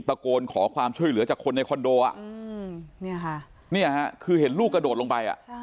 ตะโกนขอความช่วยเหลือจากคนในคอนโดคือเห็นลูกกระโดดลงไป